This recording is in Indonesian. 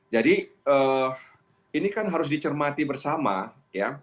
jadi ini kan harus dicermati bersama ya